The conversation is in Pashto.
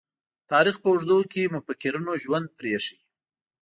تاریخ په اوږدو کې مُفکرینو ژوند پريښی.